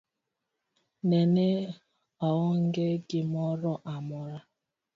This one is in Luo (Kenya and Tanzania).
Nene aonge gimoro amora.